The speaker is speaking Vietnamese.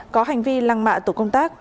có hành vi lăng mạ tổ công tác